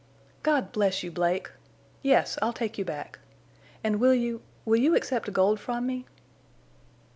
"God bless you, Blake! Yes, I'll take you back. And will you—will you accept gold from me?"